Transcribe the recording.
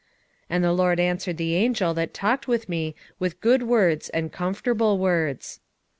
1:13 And the LORD answered the angel that talked with me with good words and comfortable words.